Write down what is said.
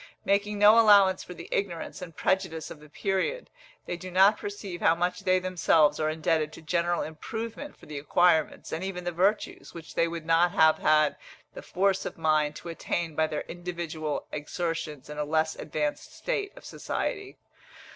Making no allowance for the ignorance and prejudices of the period, they do not perceive how much they themselves are indebted to general improvement for the acquirements, and even the virtues, which they would not have had the force of mind to attain by their individual exertions in a less advanced state of society.